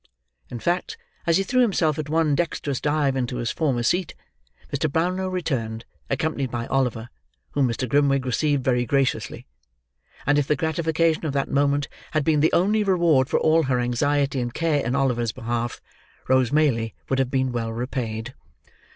In fact, as he threw himself at one dexterous dive into his former seat, Mr. Brownlow returned, accompanied by Oliver, whom Mr. Grimwig received very graciously; and if the gratification of that moment had been the only reward for all her anxiety and care in Oliver's behalf, Rose Maylie would have been well repaid.